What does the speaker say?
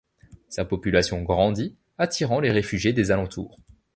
Sa population grandit, attirant les réfugiés des alentours.